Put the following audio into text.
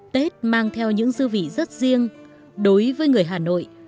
tết mang theo những dư vị rất riêng đối với người hà nội